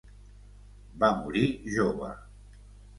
Va morir jove.